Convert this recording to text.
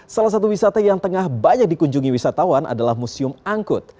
salah satu wisata yang tengah banyak dikunjungi wisatawan adalah museum angkut